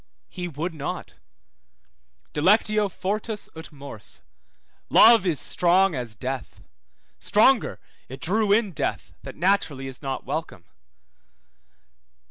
he would not: Dilectio fortis ut mors, love is strong as death; 2929 Cant. 8:6. stronger, it drew in death, that naturally is not welcome.